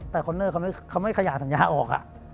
แต่คอนเนอร์เขาไม่ขยายสัญญาออก